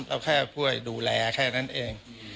เราแค่ช่วยดูแลแค่นั้นเอง